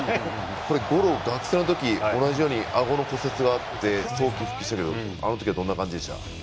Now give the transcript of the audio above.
五郎、学生の時同じように、あごの骨折があって早期復帰したけどあの時はどんな感じでした？